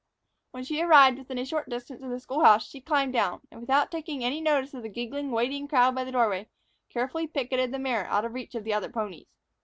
When she arrived within a short distance of the school house, she climbed down and, without taking any notice of the giggling, waiting crowd by the door, carefully picketed the mare out of reach of the other ponies.